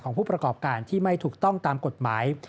ผู้ประกอบการที่ไม่ถูกต้องตามกฎหมาย